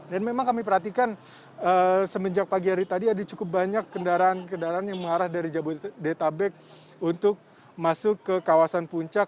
dan memang kami perhatikan semenjak pagi hari tadi ada cukup banyak kendaraan kendaraan yang mengarah dari jabodetabek untuk masuk ke kawasan puncak